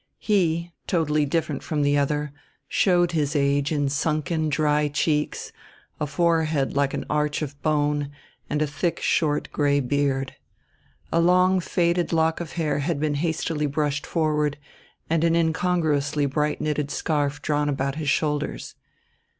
He, totally different from the other, showed his age in sunken dry cheeks, a forehead like an arch of bone, and a thick short gray beard. A long faded lock of hair had been hastily brushed forward and an incongruously bright knitted scarf drawn about his shoulders.